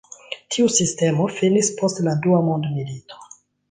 Tiu sistemo finis post la Dua Mondmilito.